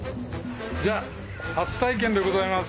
じゃあ初体験でございます。